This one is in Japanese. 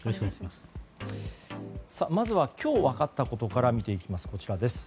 まずは今日分かったことから見ていきます。